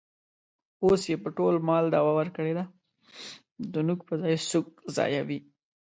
اوس یې په ټول مال دعوه ورکړې ده. د نوک په ځای سوک ځایوي.